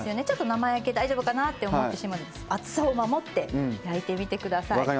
ちょっと生焼け大丈夫かなって思ってしまうんですが厚さを守って焼いてみてください。